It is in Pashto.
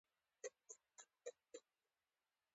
هېواد د نسلونو میراث دی.